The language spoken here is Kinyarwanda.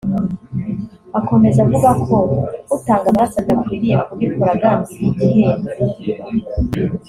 Akomeza avuga ko utanga amaraso adakwiriye kubikora agambiriye igihembo